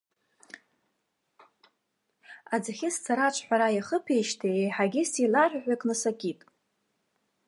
Аӡахьы сцара аҿҳәара иахыԥеижьҭеи еиҳагьы сеиларҳәыҳәикны сакит.